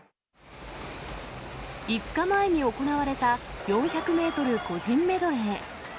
５日前に行われた４００メートル個人メドレー。